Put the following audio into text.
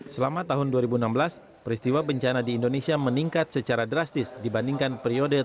selama tahun dua ribu enam belas peristiwa bencana di indonesia meningkat secara drastis dibandingkan periode dua ribu sembilan